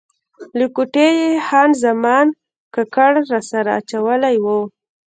له کوټې یې خان زمان کاکړ راسره اچولی و.